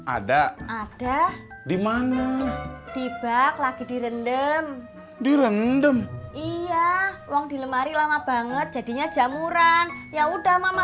ada ada dimana tiba lagi di rendem di rendem ia uang dilemari lama banget jadinya jamuran ya udah mama